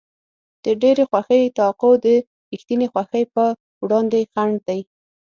د ډېرې خوښۍ توقع د رښتینې خوښۍ په وړاندې خنډ دی.